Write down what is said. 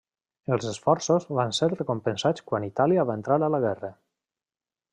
Els esforços van ser recompensats quan Itàlia va entrar a la guerra.